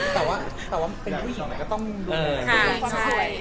แต่ว่าเป็นผู้หญิงก็ต้องดูแลคนสวย